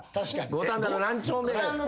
五反田の何丁目？